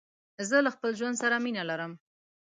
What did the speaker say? زه له خپل ژوند سره مينه لرم.